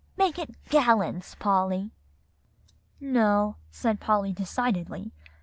"Make it gallons, Polly." "No," said Polly decidedly.